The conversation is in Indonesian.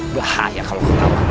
bahaya kalau ketawa